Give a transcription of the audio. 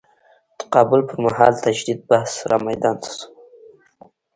تقابل پر مهال تجدید بحث رامیدان ته شو.